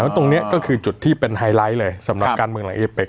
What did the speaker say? ตรงนี้ก็คือจุดที่เป็นไฮไลท์เลยสำหรับการเมืองหลังเอเป็ก